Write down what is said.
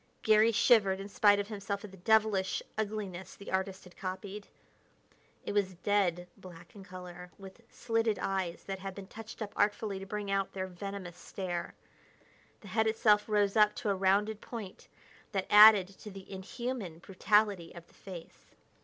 Garry shivered in spite of himself at the devilish ugliness the artist had copied. It was dead black in color, with slitted eyes that had been touched up artfully to bring out their venomous stare. The head itself rose up to a rounded point that added to the inhuman brutality of the face.